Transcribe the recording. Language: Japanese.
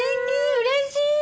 うれしい！